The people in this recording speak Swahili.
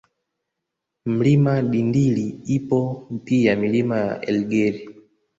Mlima Dindili ipo pia Milima ya Elgeri